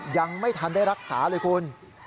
ยังไม่ทันได้รักษาเลยคุณ